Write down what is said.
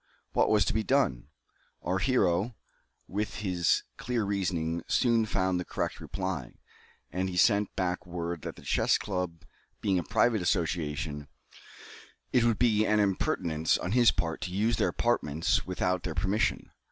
What was to be done? Our hero, with his clear reasoning, soon found the correct reply, and he sent back word that "The Chess Club being a private association, it would be an impertinence on his part to use their apartments without their permission."